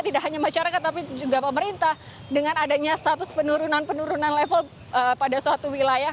tidak hanya masyarakat tapi juga pemerintah dengan adanya status penurunan penurunan level pada suatu wilayah